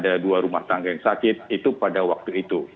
ada dua rumah tangga yang sakit itu pada waktu itu